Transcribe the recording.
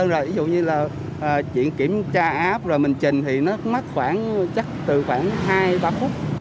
rồi mình trình thì nó mắc khoảng chắc từ khoảng hai ba phút